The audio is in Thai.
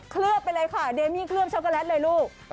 เคลือบไปเลยค่ะเดมี่เคลือบช็อกโกแลตเลยลูก